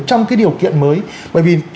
trong cái điều kiện mới